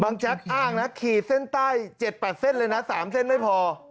แจ๊กอ้างนะขีดเส้นใต้๗๘เส้นเลยนะ๓เส้นไม่พอ